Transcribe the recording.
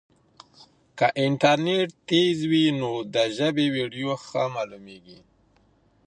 که انټرنیټ تېز وي نو د ژبې ویډیو ښه معلومېږي.